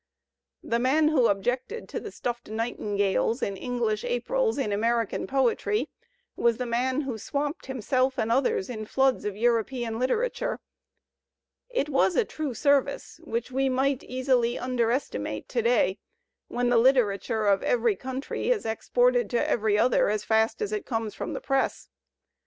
The man who objected to the stuffed nightingales and Eng lish Aprils in American poetry was the man who swamped himself and others in floods of European literature. It was a true service, which we might easily underestimate to day when the literature of every country is exported to every other as fast as it comes from the press.